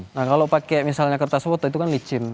nah kalau pakai misalnya kertas foto itu kan licin